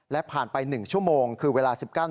และผ่านไป๑ชั่วโมงคือเวลา๑๙